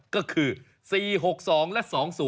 ก็คือ๔๖๒และ๒๐